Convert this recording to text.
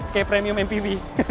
kayak premium mpv